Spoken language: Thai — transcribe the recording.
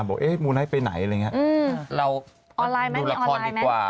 เดี๋ยวถ้าเกิดพบกันใหม่เดี๋ยวจะบอกค่ะ